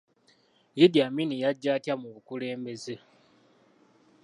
Idi Amin yajja atya mu bukulembeze?